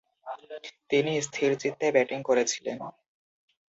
তিনি স্থিরচিত্তে ব্যাটিং করেছিলেন।